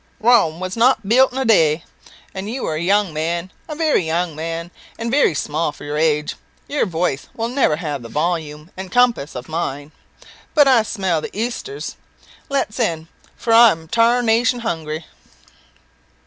"Rome was not built in a day, and you are a young man a very young man and very small for your age. Your voice will never have the volume and compass of mine. But I smell the i'sters: let's in, for I'm tarnation hungry."